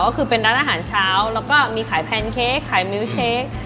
ก็คือเป็นร้านอาหารเช้าแล้วก็มีขายแพนเค้กขายมิ้วเค้ก